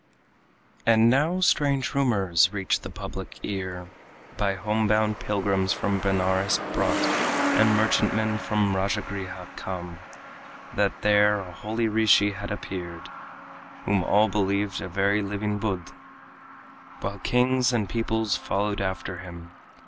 And now strange rumors reach the public ear, By home bound pilgrims from Benares brought And merchantmen from Rajagriha come, That there a holy rishi had appeared Whom all believed a very living Buddh, While kings and peoples followed after him.